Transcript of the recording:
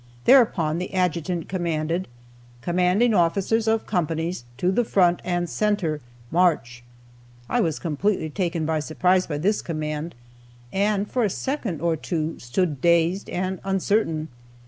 Thereupon the adjutant commanded, "Commanding officers of companies, to the front and center, march!" I was completely taken by surprise by this command, and for a second or two stood, dazed and uncertain.